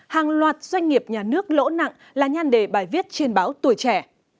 hàng loạt doanh nghiệp nhà nước lỗ nặng là nhan đề bài viết trên báo tuổi trẻ